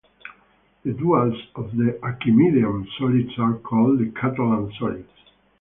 The duals of the Archimedean solids are called the Catalan solids.